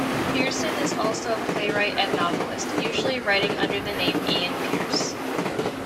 Pierson is also a playwright and novelist, usually writing under the name Ian Pierce.